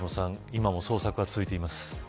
今も捜索が続いています。